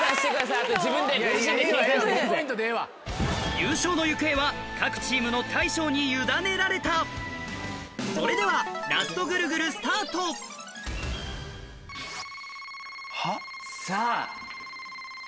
優勝の行方は各チームの大将に委ねられたそれではラストぐるぐるスタートはぁ？